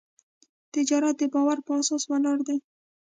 تجارت د باور په اساس ولاړ دی.